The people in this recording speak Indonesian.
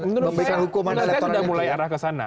menurut saya sudah mulai arah ke sana